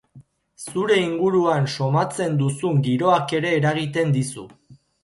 Zure inguruan somatzen duzun giroak ere eragiten dizu.